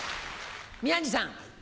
宮治さん。